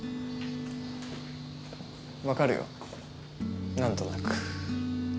分かるよ何となく。